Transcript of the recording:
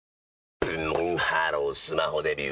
ブンブンハロースマホデビュー！